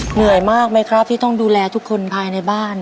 เหนื่อยมากไหมครับที่ต้องดูแลทุกคนภายในบ้าน